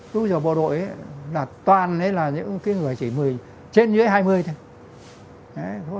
cứu trò bộ đội là toàn là những người chỉ trên dưới hai mươi thôi